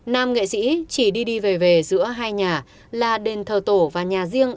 nam nghệ sĩ chỉ đi về về giữa hai nhà là đền thờ tổ và nhà riêng